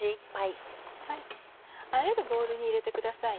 あえるボウルに入れてください。